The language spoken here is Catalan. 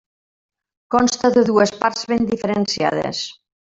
Consta de dues parts ben diferenciades.